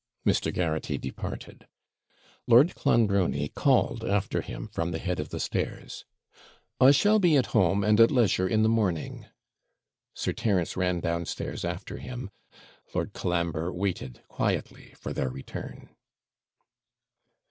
Mr. Garraghty departed; Lord Clonbrony called after him from the head of the stairs, 'I shall be at home and at leisure in the morning.' Sir Terence ran downstairs after him; Lord Colambre waited quietly for their return.